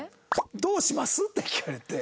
「どうします？」って聞かれて。